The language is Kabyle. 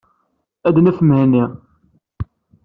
Ad d-naf Mhenni.